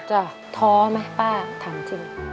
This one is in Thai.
ท้อไหมป้าถามจริง